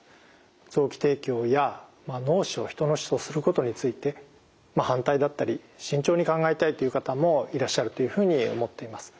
臓器提供や脳死を人の死とすることについて反対だったり慎重に考えたいっていう方もいらっしゃるというふうに思っています。